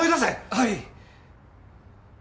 はい！